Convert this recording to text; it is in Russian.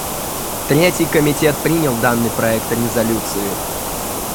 Третий комитет принял данный проект резолюции.